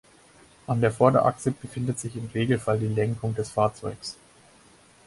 An der Vorderachse befindet sich im Regelfall die Lenkung des Fahrzeuges.